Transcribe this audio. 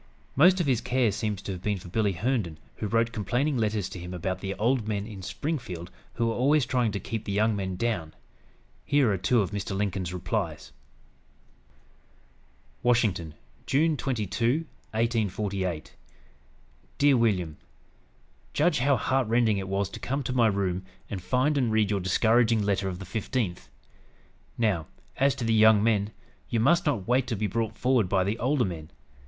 Most of his care seems to have been for Billy Herndon, who wrote complaining letters to him about the "old men" in Springfield who were always trying to "keep the young men down." Here are two of Mr. Lincoln's replies: "WASHINGTON, June 22, 1848. "DEAR WILLIAM: "Judge how heart rending it was to come to my room and find and read your discouraging letter of the 15th. Now, as to the young men, you must not wait to be brought forward by the older men.